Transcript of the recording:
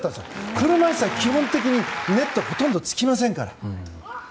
車いすは基本的にネットほとんどつきませんから。